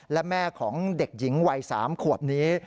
และแม่ของเด็กหญิงวัย๓ขวบนี้